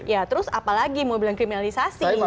ya terus apalagi mau bilang kriminalisasi